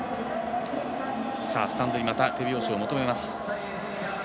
スタンドにまた手拍子を求めます。